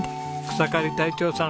草刈り隊長さん